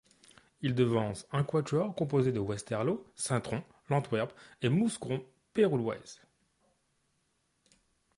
Ils devancent un quatuor composée de Westerlo, St-Trond, l'Antwerp et Mouscron-Péruwelz.